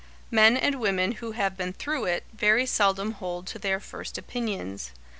Men and women who have been through it very seldom hold to their first opinions.